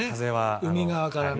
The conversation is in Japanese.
海側からの。